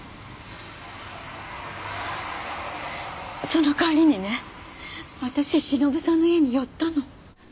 その帰りにね私忍さんの家に寄ったの。